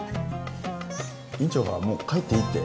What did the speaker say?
院長がもう帰っていいって。